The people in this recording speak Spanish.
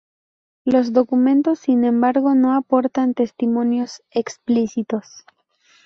Los documentos, sin embargo, no aportan testimonios explícitos.